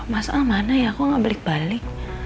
masalah mana ya aku nggak balik balik